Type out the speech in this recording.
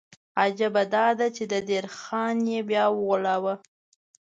عجیبه دا ده چې د دیر خان یې بیا وغولاوه.